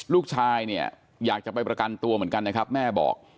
ลูกชายเนี่ยอยากจะไปประกันตัวเหมือนกันนะครับแม่บอก